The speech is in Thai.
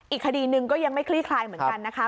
อีกคดีหนึ่งก็ยังไม่คลี่คลายเหมือนกันนะคะ